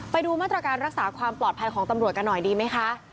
ไปดูมาตรการรักษาความปลอดภัยของตำรวจกันหน่อยดีไหมคะ